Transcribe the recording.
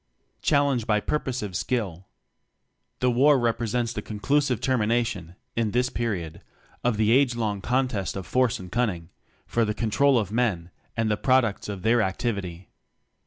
Challenge by Purposive Skill. The war represents the conclusive termination (in this period) of the age long contest of Force and ning for the control of men, and tbo products of their activity.